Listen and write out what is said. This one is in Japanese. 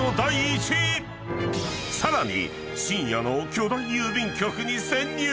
［さらに］